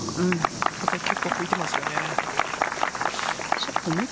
結構吹いてますよね。